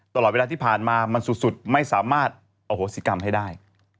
ตลอดเวลาที่ผ่านมามันสุดไม่สามารถอโหสิกรรมให้ได้